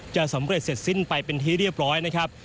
สำเร็จเสร็จสิ้นไปเป็นที่เรียบร้อยนะครับ